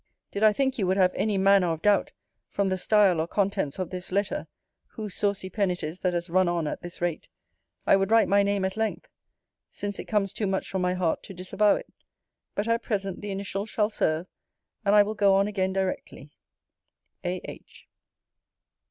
Did I think you would have any manner of doubt, from the style or contents of this letter, whose saucy pen it is that has run on at this rate, I would write my name at length; since it comes too much from my heart to disavow it: but at present the initials shall serve; and I will go on again directly. A.H.